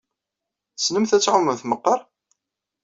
Tessnemt ad tɛumemt meqqar?